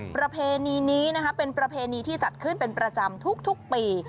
ประเพณีนี้เป็นประเพณีที่จัดขึ้นเป็นประจำทุกปี